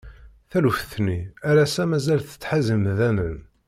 Taluft-nni ar ass-a mazal tettḥaz imdanen.